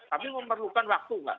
tapi memerlukan waktu mbak